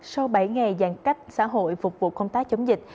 sau bảy ngày giãn cách xã hội phục vụ công tác chống dịch